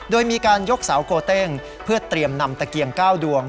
โดยมีการยกเสาโกเต้งเพื่อเตรียมนำตะเกียง๙ดวง